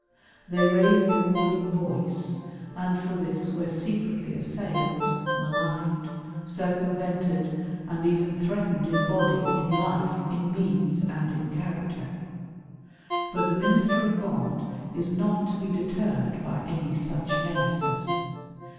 They raised the warning voice, and for this were secretly assailed, maligned, circumvented, and even threatened in body, in life, in means, and in character. But the minister of God is not to be deterred by any such menaces.